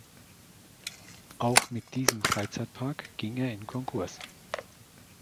Auch mit diesem Freizeitpark ging er in Konkurs.